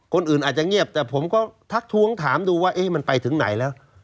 คนอื่นอาจจะเงียบแต่ผมก็ทักท้วงถามดูว่ามันไปถึงไหนแล้ว